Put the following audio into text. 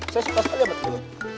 saya suka sekali banget